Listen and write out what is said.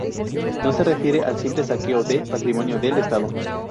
No se refiere al simple saqueo de patrimonio del Estado.